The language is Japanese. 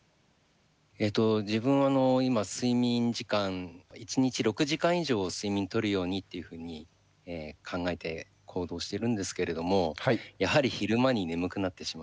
えっと自分あの今睡眠時間一日６時間以上睡眠とるようにっていうふうに考えて行動してるんですけれどもやはり昼間に眠くなってしまうんですね。